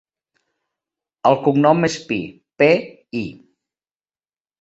El cognom és Pi: pe, i.